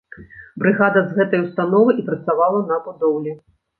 Брыгада з гэтай установы і працавала на будоўлі.